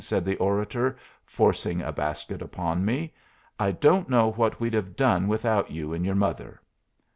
said the orator, forcing a basket upon me. "I don't know what we'd have done without you and your mother."